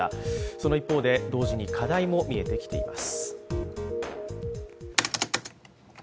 その一方で同時に課題も見えてきています。